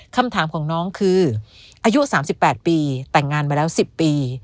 คำถามของน้องคืออายุ๓๘ปีแต่งงานมาแล้ว๑๐ปี